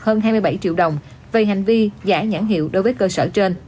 hơn hai mươi bảy triệu đồng về hành vi giả nhãn hiệu đối với cơ sở trên